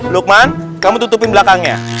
lukman kamu tutupin belakangnya